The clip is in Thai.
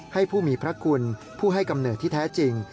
ผู้มีพระคุณผู้ให้กำเนิดที่แท้จริง